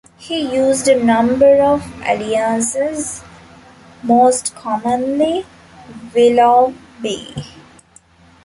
He used a number of aliases, most commonly Willoughby.